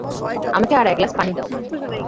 আমাকে আর এক গ্লাস পানি দাও।